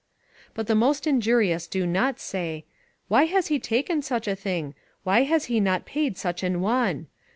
But the most injurious do not say, "Why has he taken such a thing? Why has he not paid such an one?"